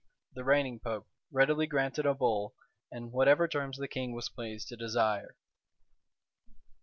the reigning pope, readily granted a bull, in whatever terms the king was pleased to desire.